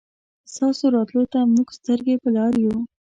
ستاسو راتلو ته مونږ سترګې په لار يو